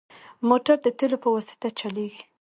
موټر د تیلو په واسطه چلېږي.